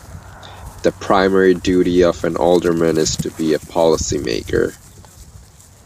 The primary duty of an alderman is to be a policy maker.